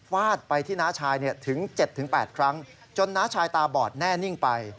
วาดไปที่น้าชายถึง๗๘ครั้งจนน้าชายตาบอดแน่นิ่งไป